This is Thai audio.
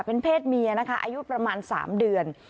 เป็นเพศเมียนะคะอายุประมาณ๓เดือน